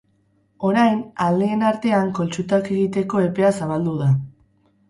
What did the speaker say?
Orain, aldeen artean kontsultak egiteko epea zabaldu da.